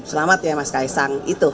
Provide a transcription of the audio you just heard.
selamat ya mas kaisang